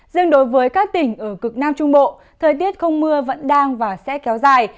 riêng đối với các tỉnh ở cực nam trung bộ thời tiết không mưa vẫn đang và sẽ kéo dài